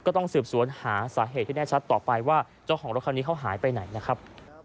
ต้องสืบสวนหาสาเหตุที่แน่ชัดต่อไปว่าเจ้าของรถคันนี้เขาหายไปไหนนะครับ